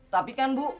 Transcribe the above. tapi kan bu